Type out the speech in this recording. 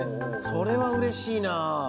それはうれしいな。